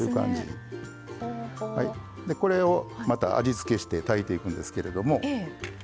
でこれをまた味付けして炊いていくんですけれども。